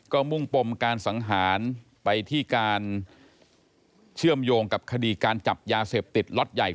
ก็มุ่งปมการสังหารไปที่การเชื่อมโยงกับคดีการจับยาเสพติดล็อตใหญ่